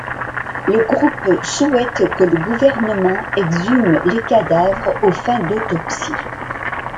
Le groupe souhaite que le gouvernement exhume les cadavres aux fins d'autopsie.